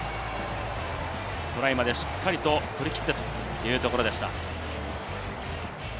トライまで、しっかりと取り切ってというところでした。